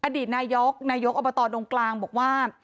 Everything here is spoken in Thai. อดีตนายกนายกอบตดงกลางบอกว่า